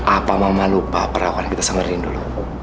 apa mama lupa perawahan kita sama rindu dulu